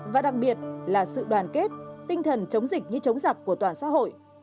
và đặc biệt là sự đoàn kết tinh thần chống dịch như chống giặc của toàn xã hội